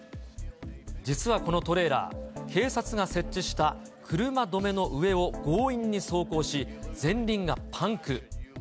実はこのトレーラー、警察が設置した車止めの上を強引に走行し、前輪がパンク。